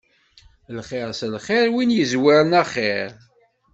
Lxir s lxir, win yezwaren axir.